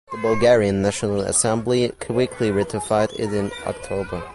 The Bulgarian National Assembly quickly ratified it in October.